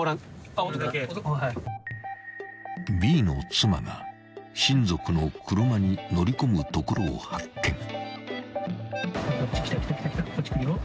［Ｂの妻が親族の車に乗り込むところを発見］